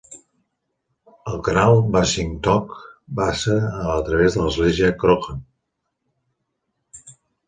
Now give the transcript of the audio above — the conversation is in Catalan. El canal Basingstoke passa a través de l'església Crookham.